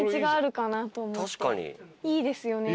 いいですよね。